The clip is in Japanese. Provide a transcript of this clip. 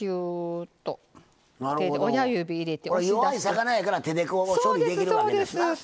弱い魚やから手でこう処理できるわけですな。